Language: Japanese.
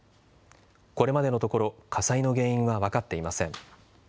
これまでのところ火災の原因は分かっていません。